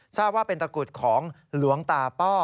ทราบว่าเป็นตะกุดของหลวงตาป้อ